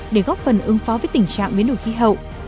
để góp phần ứng phó với tình trạng biến đổi khí hậu